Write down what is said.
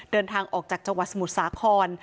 เดินทางออกจากจังหวัดสมุทรสาคร